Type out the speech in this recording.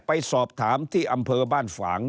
ไปสอบถามที่อำเภอบ้านฝาง